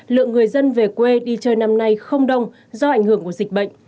lượng người dân về quê đi chơi năm nay không đông do ảnh hưởng của dịch bệnh